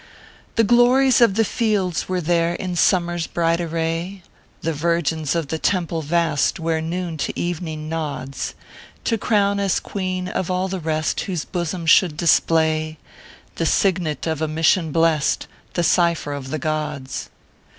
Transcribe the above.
The glories of the fields were there in summer s bright array, The virgins of the temple vast where Noon to Ev ning nods, To crown as queen of all the rest whose bosom should display The signet of a mission blest, the cipher of the gods.